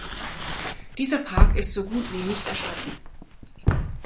Dieser Park ist so gut wie nicht erschlossen.